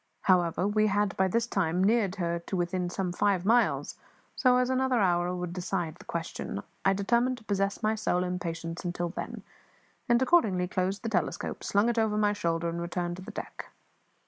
However, we had by this time neared her to within some five miles; so, as another hour would decide the question, I determined to possess my soul in patience until then, and accordingly closed the telescope, slung it over my shoulder, and returned to the deck.